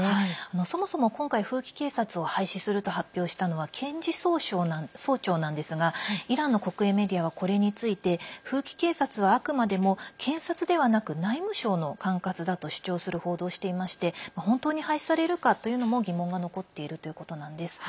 そもそも今回、風紀警察を廃止すると発表したのは検事総長なんですがイランの国営メディアはこれについて風紀警察はあくまでも検察でなく内務省の管轄だと主張する報道をしていまして本当に廃止されるかというのも疑問が残っているということなんです。